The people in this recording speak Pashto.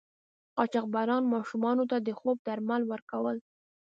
قاچاقبرانو ماشومانو ته د خوب درمل ورکول.